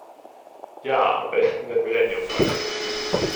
Ja, am besten den Millenniumfalken.